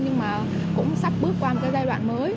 nhưng mà cũng sắp bước qua một cái giai đoạn mới